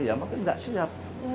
ya mungkin tidak siap